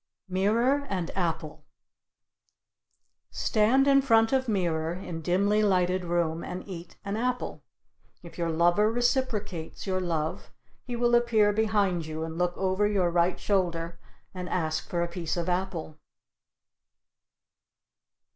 MIRROR AND APPLE Stand in front of mirror in dimly lighted room and eat an apple. If your lover reciprocates your love he will appear behind you and look over your right shoulder and ask for a piece of apple.